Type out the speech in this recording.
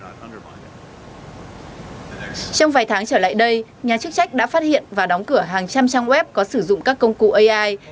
trong vài tháng trở lại đây nhà chức trách đã phát hiện và đóng cửa hàng trăm trang web có sử dụng các công cụ ai